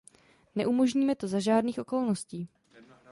Neumožníme to za žádných okolností.